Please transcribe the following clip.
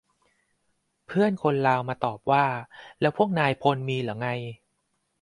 เพื่อนคนลาวมาตอบว่า แล้วพวกนายพลมีเหรอไง ?